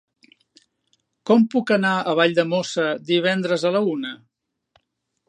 Com puc anar a Valldemossa divendres a la una?